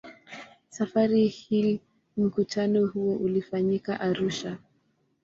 Safari hii mkutano huo ulifanyika Arusha.